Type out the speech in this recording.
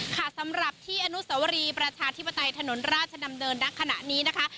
ค่ะสำหรับที่อนุสวรีประชาธิปไตยถนนราชดำเนินนักขณะนี้นะคะ